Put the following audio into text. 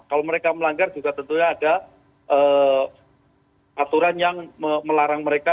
kalau mereka melanggar juga tentunya ada aturan yang melarang mereka